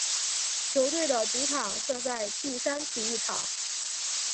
球队的主场设在碧山体育场。